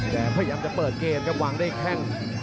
พยายามจะเปิดเกมครับวางด้วยแข้ง